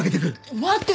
待ってよ。